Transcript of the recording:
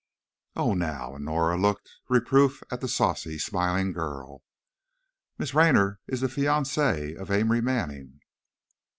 "Oh, now," and Norah looked reproof at the saucy, smiling girl, "Miss Raynor is the fiancée of Amory Manning."